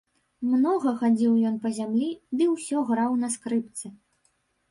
Многа хадзіў ён па зямлі ды ўсё граў на скрыпцы.